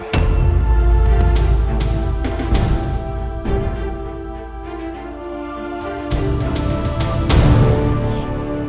ricky mencari mama